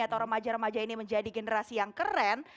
atau remaja remaja ini menjadi generasi yang keren